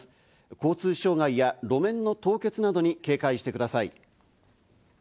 交通障害や路面の凍結などに警戒してください。